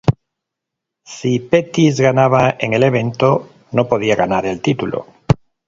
Si Pettis ganaba en el evento, no podía ganar el título.